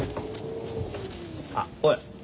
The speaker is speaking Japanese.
あっおい。